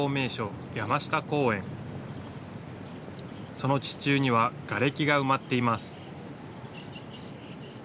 その地中にはがれきが埋まっています。